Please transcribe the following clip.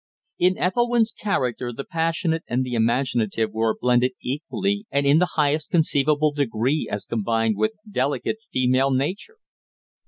In Ethelwynn's character the passionate and the imaginative were blended equally and in the highest conceivable degree as combined with delicate female nature.